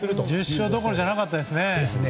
１０勝どころじゃなかったですね。